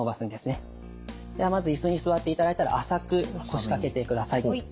ではまず椅子に座っていただいたら浅く腰掛けてください。